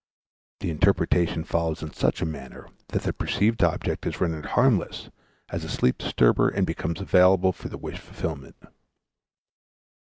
The interpretation follows in such a manner that the perceived object is rendered harmless as a sleep disturber and becomes available for the wish fulfillment.